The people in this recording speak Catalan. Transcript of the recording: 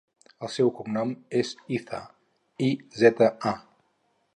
El seu cognom és Iza: i, zeta, a.